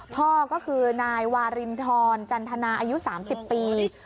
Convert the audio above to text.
พ่อก็คือนายวารินทรจันทนาอายุ๓๐ปี